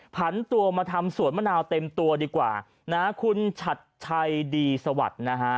ผันตัวมาทำสวนมะนาวเต็มตัวดีกว่านะฮะคุณชัดชัยดีสวัสดิ์นะฮะ